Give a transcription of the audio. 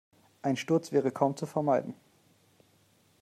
Ein Sturz wäre kaum zu vermeiden.